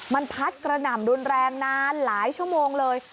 มันพัดกระหน่ำรุนแรงนานหลายชั่วโมงเลย